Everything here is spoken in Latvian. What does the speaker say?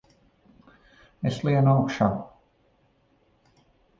Es lienu augšā!